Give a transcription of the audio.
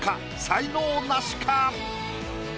才能ナシか？